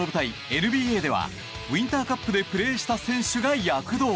ＮＢＡではウインターカップでプレーした選手が躍動。